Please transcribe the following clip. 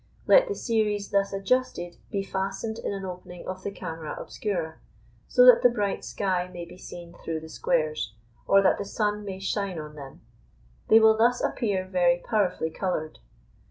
Let the series thus adjusted be fastened in an opening of the camera obscura, so that the bright sky may be seen through the squares, or that the sun may shine on them; they will thus appear very powerfully coloured.